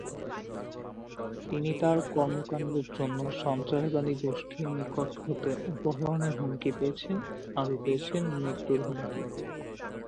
তিনি তার কর্মকাণ্ডের জন্য সন্ত্রাসবাদী গোষ্ঠীর নিকট থেকে অপহরণের হুমকি পেয়েছেন, আরো পেয়েছেন মৃত্যুর হুমকি।